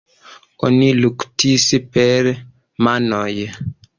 Oni luktis per manoj.